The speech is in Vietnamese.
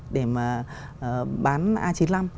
để mà bán a chín mươi năm